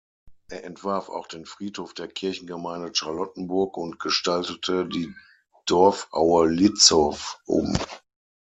Er entwarf auch den Friedhof der Kirchengemeinde Charlottenburg und gestaltete die Dorfaue Lietzow um.